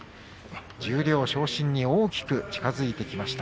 十両昇進に大きく近づきました。